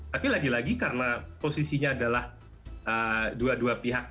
tapi lagi lagi karena posisinya adalah dua dua pihak